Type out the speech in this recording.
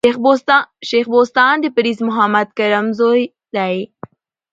شېخ بُستان بړیځ د محمد کرم زوی دﺉ.